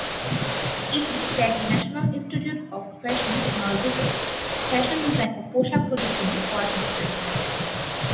ইতি Tyagi National Institute of Fashion টেকনোলজিতে fashion design ও পোশাক প্রযুক্তি নিয়ে পড়াশোনা করেছিলেন।